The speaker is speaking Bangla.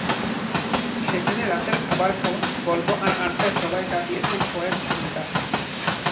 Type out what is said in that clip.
সেখানে রাতের খাবার খাওয়া, গল্প আর আড্ডায় সবাই কাটিয়েছেন কয়েক ঘণ্টা।